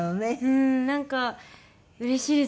うんなんかうれしいですね。